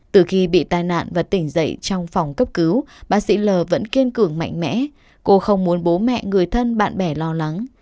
từ khi bị tai nạn và tỉnh dậy trong phòng cấp cứu bác sĩ l vẫn kiên cường mạnh mẽ cô không muốn bố mẹ người thân bạn bè lo lắng